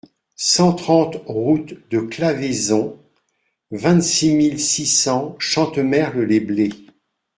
cent trente route de Claveyson, vingt-six mille six cents Chantemerle-les-Blés